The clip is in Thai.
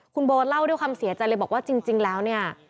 คุณโบเล่าด้วยความเสียใจเลยบอกว่าจริงแล้วเนี่ย